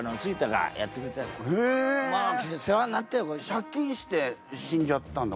借金して死んじゃったんだ。